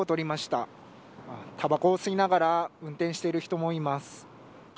たばこを吸いながら運転してる人もいます。